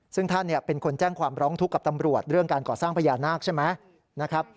ซึ่งท่านเป็นคนแจ้งความร้องทุกข์กับตำรวจเรื่องการก่อสร้างพญานาคใช่ไหมนะครับ